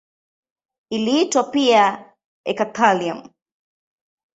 Iliitwa pia eka-thallium.